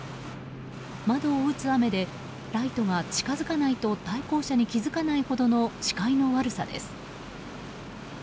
窓を打つ雨でライトが近づかないと対向車に気付かないほどの視界の悪さです。